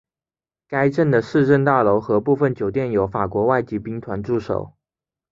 该镇的市政大楼和部分酒店有法国外籍兵团驻守。